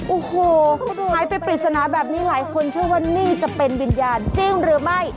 โอ้โหหายไปปริศนาแบบนี้หลายคนเชื่อว่านี่จะเป็นวิญญาณจริงหรือไม่